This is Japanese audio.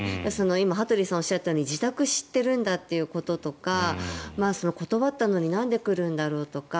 今、羽鳥さんがおっしゃったように自宅を知っているんだということとか断ったのになんで来るんだろうとか